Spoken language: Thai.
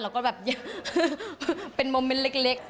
เราก็แบบเป็นโมเม้นต์เล็ก